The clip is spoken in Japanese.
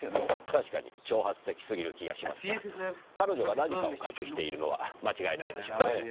確かに挑発的すぎる気がしますが彼女が何かを隠しているのは間違いないでしょうねぇ。